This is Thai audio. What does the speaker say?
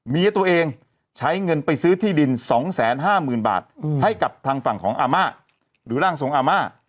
เมียตัวเองใช้เงินไปซื้อที่ดิน๒๕๐๐๐บาทให้กับทางฝั่งของอาม่าหรือร่างทรงอาม่า